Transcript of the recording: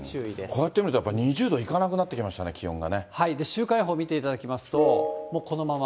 こうやって見ると、２０度いかなくなってきましたね、週間予報見ていただきますと、もうこのまま。